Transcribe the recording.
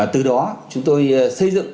từ đó chúng tôi xây dựng